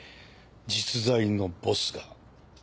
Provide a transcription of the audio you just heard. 実在のボスが。